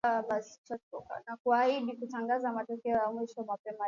na kuahindi kutangaza matokeo ya mwisho mapema leo